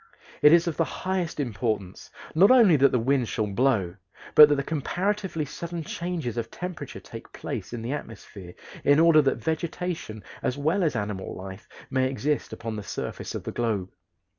It is of the highest importance not only that the wind shall blow, but that comparatively sudden changes of temperature take place in the atmosphere, in order that vegetation as well as animal life may exist upon the surface of the globe.